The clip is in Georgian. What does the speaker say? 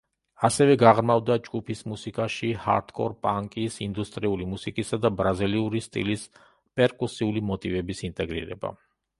ასევე გაღრმავდა ჯგუფის მუსიკაში ჰარდკორ პანკის, ინდუსტრიული მუსიკისა და ბრაზილიური სტილის პერკუსიული მოტივების ინტეგრირება.